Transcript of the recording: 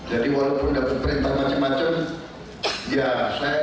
jadi walaupun ada pemerintah macam macam ya saya nggak sampai hati